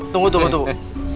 tunggu tunggu tunggu